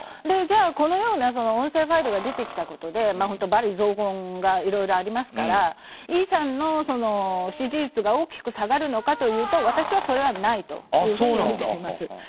じゃあこのような音声ファイルが出てきたことで罵詈雑言がいろいろありますからイさんの支持率が大きく下がるのかというと私はそれはないとみています。